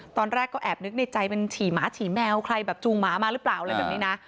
ตอนแรกก็แอบนึกในใจเป็นฉี่หมาฉี่แมวใครแบบจูงหมามาหรือเปล่าอะไรแบบนี้นะ